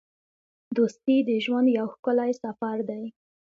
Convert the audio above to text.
دوستي د ژوند یو ښکلی سفر دی.